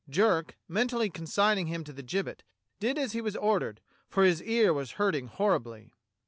Jerk, mentally consigning him to the gibbet, did as he was ordered, for his ear was hurting horribly.